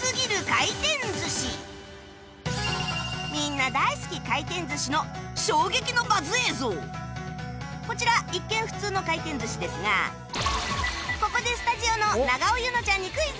みんな大好きこちら一見普通の回転寿司ですがここでスタジオの永尾柚乃ちゃんにクイズ